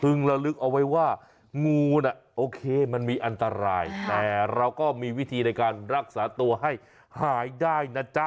ระลึกเอาไว้ว่างูน่ะโอเคมันมีอันตรายแต่เราก็มีวิธีในการรักษาตัวให้หายได้นะจ๊ะ